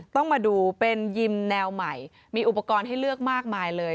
ต้องมาดูเป็นยิมแนวใหม่มีอุปกรณ์ให้เลือกมากมายเลย